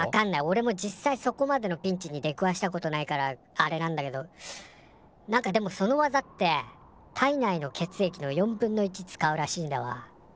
おれも実際そこまでのピンチに出くわしたことないからあれなんだけどなんかでもその技って体内の血液の1/4使うらしいんだわ。